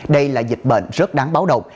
đây là dịch bệnh rất đáng báo động